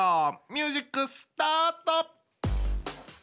ミュージックスタート！